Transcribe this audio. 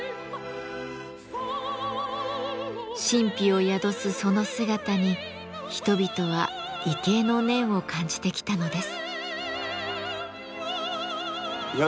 神秘を宿すその姿に人々は畏敬の念を感じてきたのです。